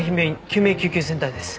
救命救急センターです。